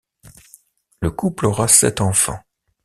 Le couple aura sept enfants.